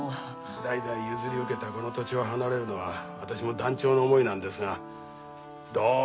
代々譲り受けたこの土地を離れるのは私も断腸の思いなんですがどうすることもできませんでした。